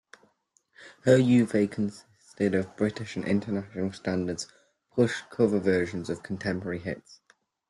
Her oeuvre consisted of British and international standards, plus cover versions of contemporary hits.